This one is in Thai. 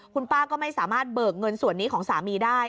คุณป้าก็ไม่สามารถเบิกเงินส่วนนี้ของสามีได้